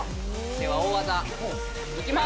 では大技、いきます！